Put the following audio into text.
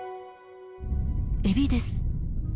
エビです。